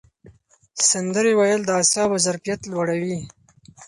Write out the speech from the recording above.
سندرې ویل د اعصابو ظرفیت لوړوي.